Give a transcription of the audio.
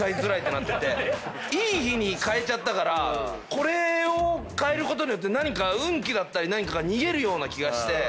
いい日に替えちゃったからこれを替えることによって何か運気だったり何かが逃げるような気がして。